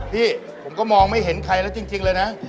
พี่ผมก็มองไม่เห็นใครแล้วจริงเลยนะ